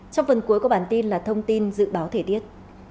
trong phần cuối có bản tin là thông tin dự báo thể tiết